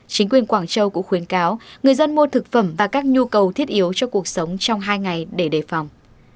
chính quyền quảng châu cũng khuyến cáo người dân mua thực phẩm và các nhu cầu thiết yếu cho cuộc sống trong hai ngày để đề phòng